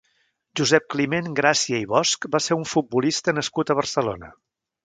Josep-Climent Gràcia i Bosch va ser un futbolista nascut a Barcelona.